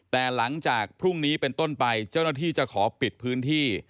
แต่หลังจากพรุ่งนี้เป็นต้นไปเจ้าหน้าที่จะขอปิดพื้นที่